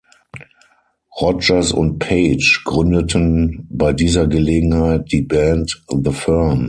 Rodgers und Page gründeten bei dieser Gelegenheit die Band The Firm.